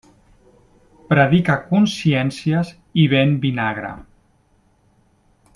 Predica consciències i ven vinagre.